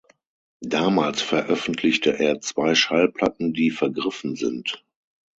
Damals veröffentlichte er zwei Schallplatten, die vergriffen sind.